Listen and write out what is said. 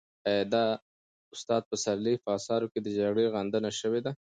آیا د استاد پسرلي په اثارو کې د جګړې غندنه شوې ده؟